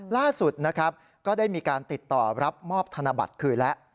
ล่าสุดนะครับก็ได้มีการติดต่อรับมอบธนบัตรคืนแล้ว